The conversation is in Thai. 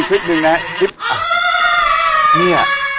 ใช่ไหม